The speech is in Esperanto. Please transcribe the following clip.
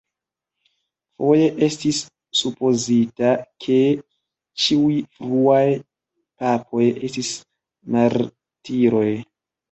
Foje estis supozita ke ĉiuj fruaj papoj estis martiroj.